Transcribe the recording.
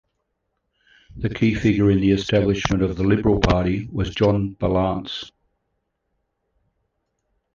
The key figure in the establishment of the Liberal Party was John Ballance.